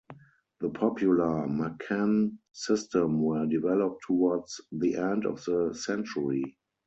The popular Maccann system were developed towards the end of the century.